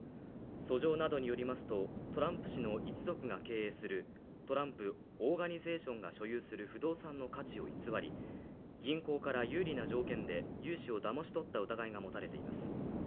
訴状などによりますとトランプ氏の一族が経営するトランプ・オーガニゼーションが所有する不動産の価値を偽り銀行から有利な条件で融資をだまし取った疑いが持たれています。